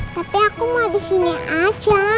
tapi aku mau disini aja